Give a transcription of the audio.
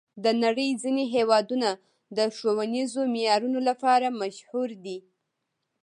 د نړۍ ځینې هېوادونه د ښوونیزو معیارونو لپاره مشهور دي.